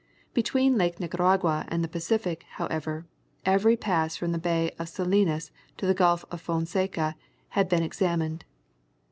Between Lake Nicaragua and the Pacific, however, every pass from the Bay of Salinas to the Gulf of Fonseca had been examined.